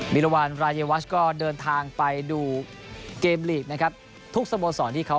มิรวรรณรายยวัชก็เดินทางไปดูเกมลีร์นะครับทุกสโมศ